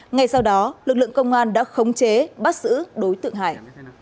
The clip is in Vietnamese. ngay sau đó lực lượng công an đã khống chế bắt giữ đối tượng hải